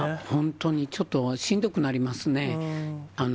本当に、ちょっとしんどくなりますね。